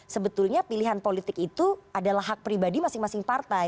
sebetulnya pilihan politik itu adalah hak pribadi masing masing partai